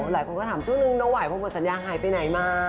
หลายคนก็ถามช่วงหนึ่งโนไหวพวกมันสัญญาณหายไปไหนมาก